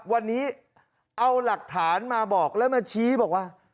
วันนี้เอาหลักฐานมาบอกแล้วมาชี้บอกว่า